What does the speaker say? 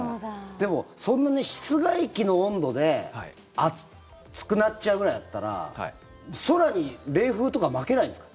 でも、そんなに室外機の温度で暑くなっちゃうぐらいだったら空に冷風とかまけないんですか？